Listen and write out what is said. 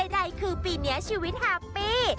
ใดคือปีนี้ชีวิตแฮปปี้